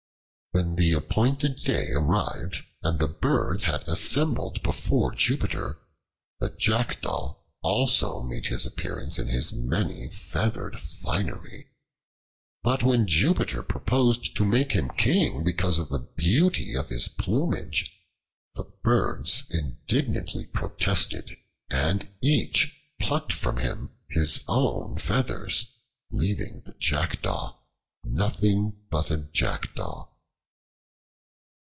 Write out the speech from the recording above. When the appointed day arrived, and the birds had assembled before Jupiter, the Jackdaw also made his appearance in his many feathered finery. But when Jupiter proposed to make him king because of the beauty of his plumage, the birds indignantly protested, and each plucked from him his own feathers, leaving the Jackdaw nothing but a Jackdaw.